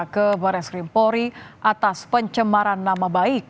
ke baris krimpori atas pencemaran nama baik